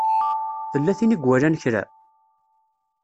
Tella tin i iwalan kra?